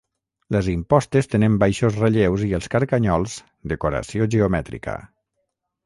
Les impostes tenen baixos relleus i els carcanyols, decoració geomètrica.